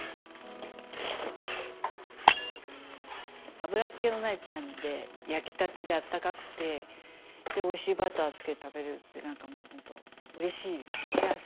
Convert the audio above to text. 油っ気のないパンで焼きたてであったかくてでおいしいバターつけて食べれるってなんかもうほんとうれしいですよね。